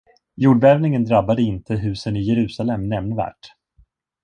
Jordbävningen drabbade inte husen i Jerusalem nämnvärt.